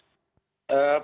saya setuju dengan pak uceng